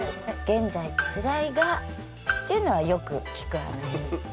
「現在辛いが」っていうのはよく聞く話ですよね。